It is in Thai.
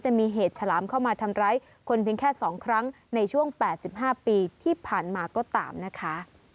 จะมีเหตุฉลามเข้ามาทำร้ายคนเพียงแค่๒ครั้งในช่วง๘๕ปีที่ผ่านมาก็ตามนะคะ